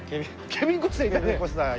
ケビン・コスナーいたね。